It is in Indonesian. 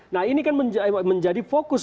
nah ini kan menjadi fokus